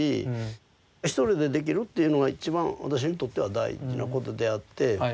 １人でできるっていうのがいちばん私にとっては大事なことであって。